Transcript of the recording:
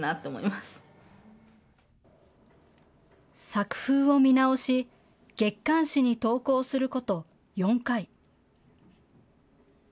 作風を見直し、月刊誌に投稿すること４回。